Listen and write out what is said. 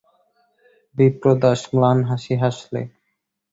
বিপ্রদাস ম্লান হাসি হাসলে।